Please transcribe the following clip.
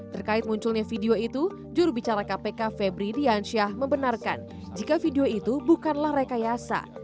terkait munculnya video itu jurubicara kpk febri diansyah membenarkan jika video itu bukanlah rekayasa